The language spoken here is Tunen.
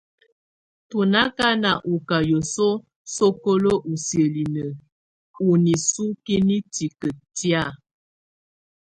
Tú nà kana ú ká yǝsuǝ́ sokolo u siǝ́linǝ ù nisukiǝ̀ ni tikǝ tɛ̀á.